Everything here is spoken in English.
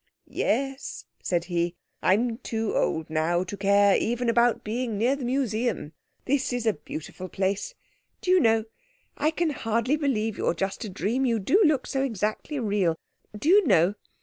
"Yes," said he, "I'm too old now to care even about being near the Museum. This is a beautiful place. Do you know—I can hardly believe you're just a dream, you do look so exactly real. Do you know..."